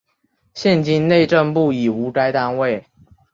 现今内政部已无该单位。